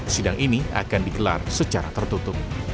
sidang ini akan digelar secara tertutup